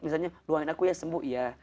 misalnya doain aku ya sembuh ya